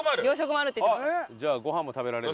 じゃあご飯も食べられる。